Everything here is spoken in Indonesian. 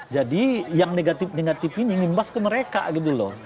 jadi yang negatif negatif ini ngembas ke mereka gitu loh